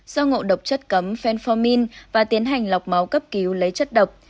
do ngộ độc chất cấm fenformin và tiến hành lọc máu cấp cứu lấy chất độc